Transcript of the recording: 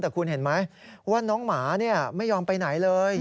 แต่คุณเห็นไหมว่าน้องหมาไม่ยอมไปไหนเลย